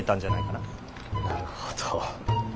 なるほど。